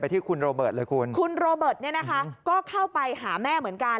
ที่คุณโรเบิร์ตเลยคุณคุณโรเบิร์ตเนี่ยนะคะก็เข้าไปหาแม่เหมือนกัน